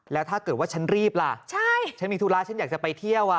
แล้วถ้าเกิดว่าฉันรีบล่ะฉันมีธุระฉันอยากจะไปเที่ยว